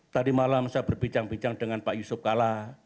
tadi malam saya berbicara bicara dengan pak yusuf kalla